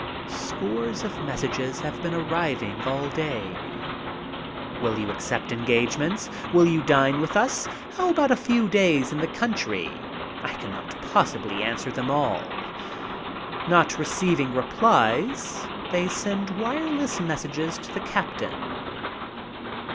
Scores of messages have been arriving all day. "Will you accept engagements?" "Will you dine with us?" "How about a few days in the country?" I cannot possibly answer them all. Not receiving replies, they send wireless messages to the captain.